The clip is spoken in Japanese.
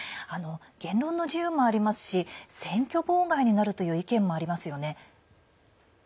言論の自由もありますし選挙妨害になるという意見もありますね。